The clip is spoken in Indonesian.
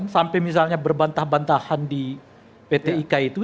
sampai misalnya berbantah bantahan di pt ika itu